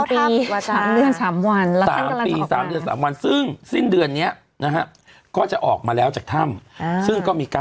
ปิดวัจจาสามปีสามวันแล้วเพิ่งกำลังไปออกมา